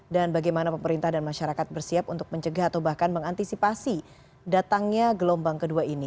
dan bagaimana pemerintah dan masyarakat bersiap untuk mencegah atau bahkan mengantisipasi datangnya gelombang kedua ini